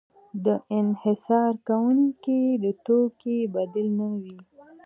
د انحصار کوونکي د توکې بدیل نه وي.